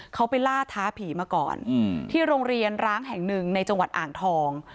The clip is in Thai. เขาไปล่าท้าผีมาก่อนที่โรงเรียนร้างแห่งหนึ่งในจังหวัดอ่างทอง